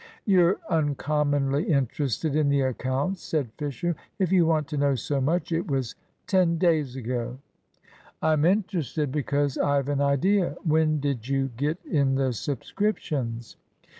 "You're uncommonly interested in the accounts," said Fisher; "if you want to know so much, it was ten days ago." "I'm interested because I've an idea. When did you get in the subscriptions?"